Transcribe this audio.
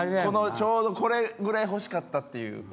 このちょうどこれぐらい欲しかったっていう。